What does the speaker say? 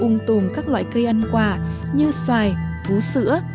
ung tùm các loại cây ăn quả như xoài vú sữa